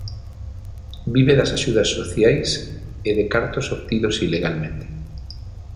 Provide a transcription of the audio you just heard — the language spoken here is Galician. Vive das axudas sociais e de cartos obtidos ilegalmente.